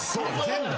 全部？